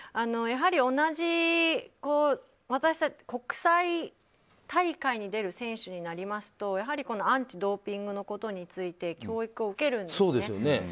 やはり、同じ国際大会に出る選手になりますとやはりアンチドーピングのことについて教育を受けるんですよね。